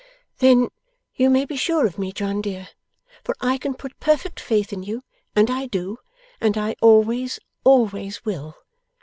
'Then you may be sure of me, John dear, for I can put perfect faith in you, and I do, and I always, always will.